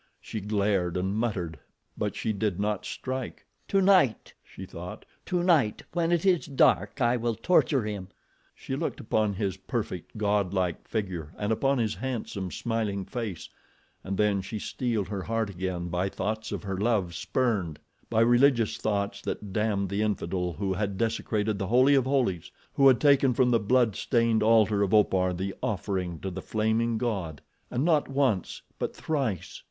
She glared and muttered but she did not strike. "Tonight!" she thought. "Tonight, when it is dark I will torture him." She looked upon his perfect, godlike figure and upon his handsome, smiling face and then she steeled her heart again by thoughts of her love spurned; by religious thoughts that damned the infidel who had desecrated the holy of holies; who had taken from the blood stained altar of Opar the offering to the Flaming God—and not once but thrice.